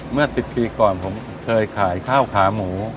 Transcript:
เมื่อ๑๐ปีก่อนผมเคยขายข้าวขาหมู